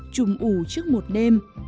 chùm ủ trước một đêm